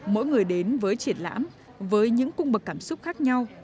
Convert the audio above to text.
mỗi người đến với triển lãm với những cung bậc cảm xúc khác nhau